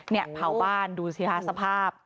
เนี่ยเผาบ้านดูสิคะสภาพ